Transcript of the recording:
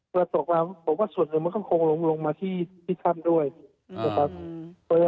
เมื่อตกป่าวผมว่าส่วนหนึ่งมันคงคงลงมาที่ธ่ำด้วย